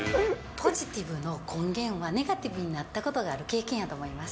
ポジティブの根源は、ネガティブになったことがある経験やと思います。